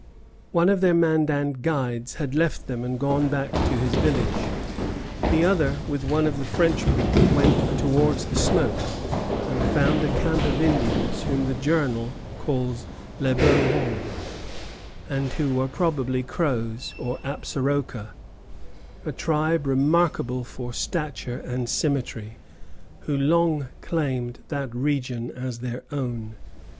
One of their Mandan guides had left them and gone back to his village. The other, with one of the Frenchmen, went towards the smoke, and found a camp of Indians, whom the journal calls Les Beaux Hommes, and who were probably Crows, or Apsaroka, a tribe remarkable for stature and symmetry, who long claimed that region as their own.